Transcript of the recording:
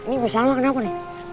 ini bisalma kenapa nih